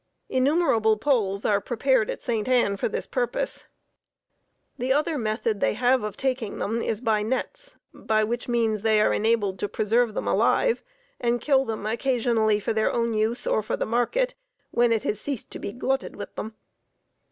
Innumerable poles are prepared at St. Ann for this purpose. The other method they have of taking them is by nets, by which means they are enabled to preserve them alive, and kill them occasionally for their own use or for the market, when it has ceased to be glutted with them.